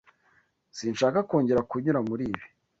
Sinshaka kongera kunyura muri ibi.